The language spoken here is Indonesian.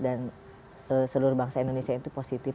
dan seluruh bangsa indonesia itu positif